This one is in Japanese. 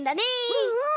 うんうん。